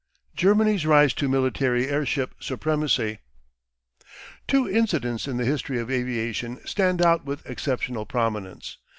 GERMANY'S RISE TO MILITARY AIRSHIP SUPREMACY Two incidents in the history of aviation stand out with exceptional prominence.